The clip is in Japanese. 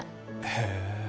へえ